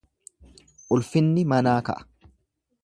Ulfinni manaa ka'a.